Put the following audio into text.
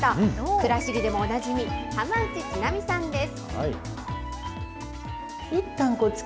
くらしりでもおなじみ、浜内千波さんです。